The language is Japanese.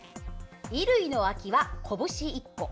衣類の空きはこぶし１個。